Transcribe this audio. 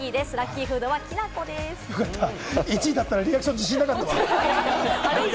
１位だったらリアクション自信なかったわ。